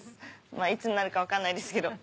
いつになるか分かんないですけど。